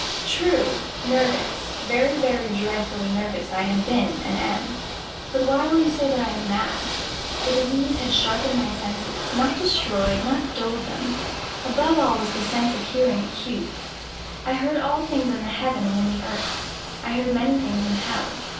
True!—nervous—very, very dreadfully nervous I had been and am; but why will you say that I am mad? The disease had sharpened my senses—not destroyed—not dulled them. Above all was the sense of hearing acute. I heard all things in the heaven and in the earth. I heard many things in hell.